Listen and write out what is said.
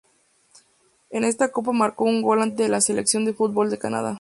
En esta copa marcó un gol ante la Selección de fútbol de Canadá.